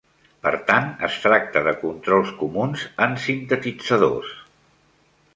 Per tant, es tracta de controls comuns en sintetitzadors.